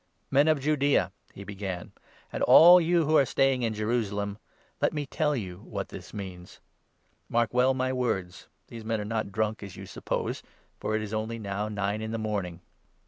" Men of Judaea," he began, " and all you who are staying in Jerusalem, let me tell you what this means. Mark well my words. These men are not drunk, as you suppose ; for it is 15 only now nine in the morning